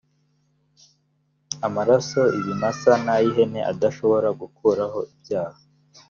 amaraso ibimasa n ay ihene adashobora gukuraho ibyaha